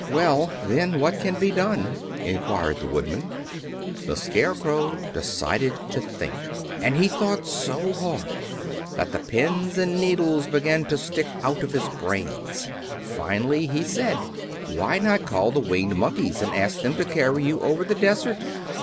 "Well, then, what can be done?" inquired the Woodman. The Scarecrow decided to think, and he thought so hard that the pins and needles began to stick out of his brains. Finally he said: "Why not call the Winged Monkeys, and ask them to carry you over the desert?"